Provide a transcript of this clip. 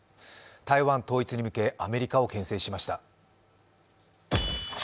台湾統一に向け、アメリカを牽制しました。